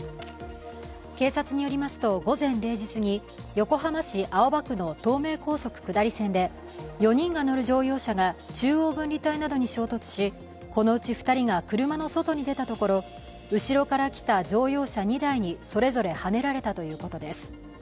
警察によりますと、午前０時過ぎ、横浜市青葉区の東名高速下り線で４人が乗る乗用車が中央分離帯などに衝突し、このうち２人が車の外に出たところ後ろから来た乗用車２台にそれぞれはねられたということです。